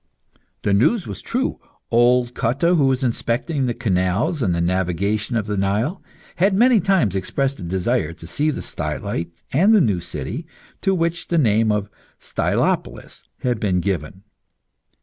The news was true. Old Cotta, who was inspecting the canals and the navigation of the Nile, had many times expressed a desire to see the stylite and the new city, to which the name of Stylopolis had been given.